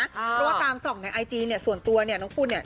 เพราะว่าตามส่วนใซเฮีย์ไอจีเนี่ยส่วนตัวเนี่ยงคุณเนี่ย